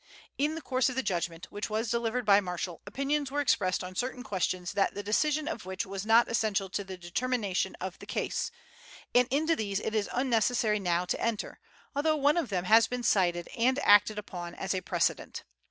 In the course of the judgment, which was delivered by Marshall, opinions were expressed on certain questions the decision of which was not essential to the determination of the case, and into these it is unnecessary now to enter, although one of them has been cited and acted upon as a precedent.